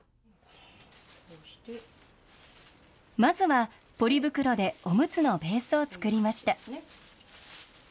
まずはポリ袋でおむつのベースを作りました。